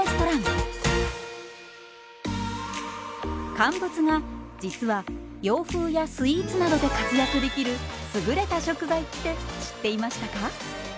乾物が実は洋風やスイーツなどで活躍できる優れた食材って知っていましたか？